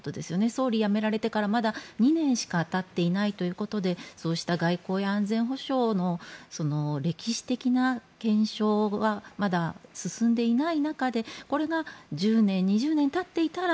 総理辞められてからまだ２年しかたっていないということでそうした外交や安全保障の歴史的な検証はまだ進んでいない中で、これが１０年、２０年たっていたら